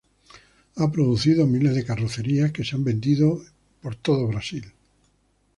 Ha producido miles de carrocerías que se han vendido en todo Brasil.